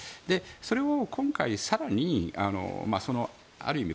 それを今回、更にある意味